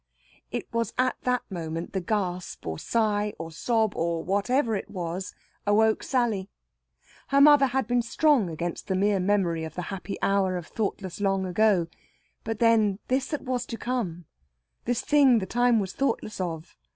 It was at that moment the gasp, or sigh, or sob, or whatever it was, awoke Sally. Her mother had been strong against the mere memory of the happy hour of thoughtless long ago; but then, this that was to come this thing the time was thoughtless of!